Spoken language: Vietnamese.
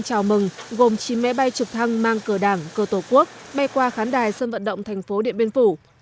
chào mừng gồm chín máy bay trực thăng mang cờ đảng cờ tổ quốc bay qua khán đài sân vận động thành phố điện biên phủ